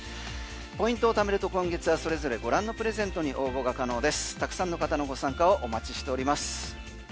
ポイントを貯めると今月はそれぞれご覧のプレゼントに海鮮丼マシマシで！